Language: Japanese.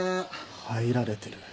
入られてる。